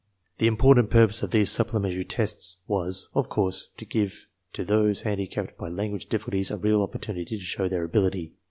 The important purpose of these supplementary tests was, of course, to give to those handicapped by language difficulties a real opportunity to show their ability.